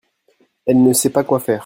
elle ne sait pas quoi faire.